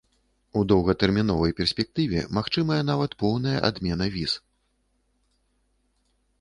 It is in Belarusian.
У доўгатэрміновай перспектыве магчымая нават поўная адмена віз.